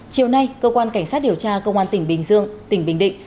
chiều nay cơ quan cảnh sát điều tra công an tỉnh bình dương tỉnh bình định